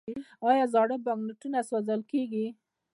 آیا زاړه بانکنوټونه سوځول کیږي؟